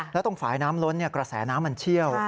แล้วตรงฝ่ายน้ำล้นกระแสน้ำมันเชี่ยว